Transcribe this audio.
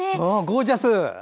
ゴージャス。